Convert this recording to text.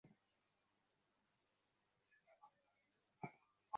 Bekoff ছাড়ার পর একটু বিরতি নিয়েছিলাম।